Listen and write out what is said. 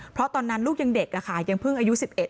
เพราะตอนนั้นลูกยังเด็กยังเพิ่งอายุ๑๑